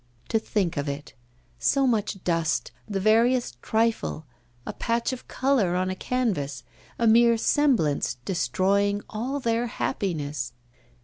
To think of it! So much dust, the veriest trifle, a patch of colour on a canvas, a mere semblance destroying all their happiness!